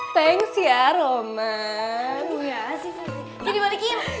thanks ya roman